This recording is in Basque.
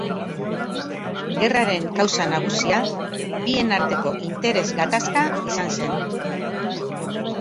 Gerraren kausa nagusia bien arteko interes gatazka izan zen.